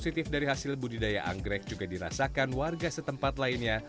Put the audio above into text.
sejak tahun ini hasil budidaya anggrek juga dirasakan warga setempat lainnya